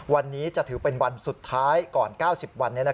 วันนี้จะถือเป็นวันสุดท้ายก่อน๙๐วัน